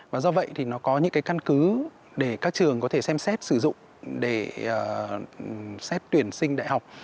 và do vậy thì nó có những cái căn cứ để các trường có thể xem xét sử dụng để xét tuyển sinh đại học